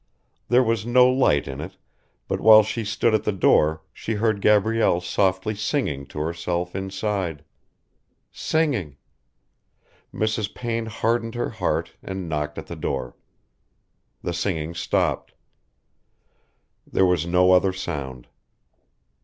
There was no light in it, but while she stood at the door she heard Gabrielle softly singing to herself inside. Singing! ... Mrs. Payne hardened her heart and knocked at the door. The singing stopped. There was no other sound.